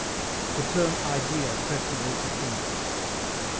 THE TERM IDEA PREFERABLE TO THING.